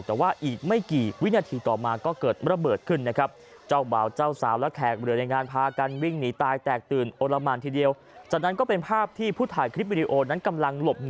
แต่ว่าอีกไม่กี่วินาทีต่อมาก็เกิดระเบิดขึ้นนะครับ